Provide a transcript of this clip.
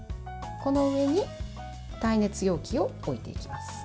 この上に耐熱容器を置いていきます。